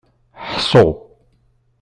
Ḥṣu.